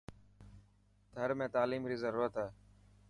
ٿر ۾ تعليم ري ضرورت هي.